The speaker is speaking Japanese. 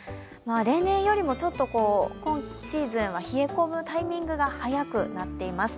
例年よりも今シーズンは冷え込むタイミングが早くなっています。